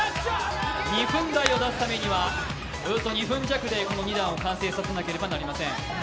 ２分台を出すためには、およそ２分弱でこの２段を完成させなければなりません。